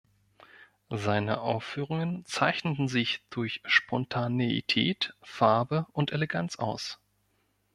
Seine Aufführungen zeichneten sich durch Spontaneität, Farbe und Eleganz aus.